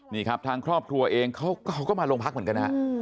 นี่ครับทางครอบครัวเองเขาก็มาโรงพักเหมือนกันนะฮะ